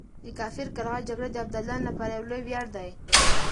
د کافر قلعه جګړه د ابدالیانو لپاره يو لوی وياړ دی.